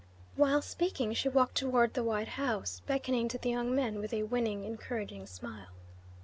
While speaking, she walked toward the white house, beckoning to the young men with a winning, encouraging smile.